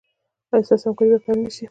ایا ستاسو همکاري به پیل نه شي؟